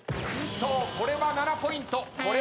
これは７ポイント。